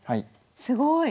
すごい！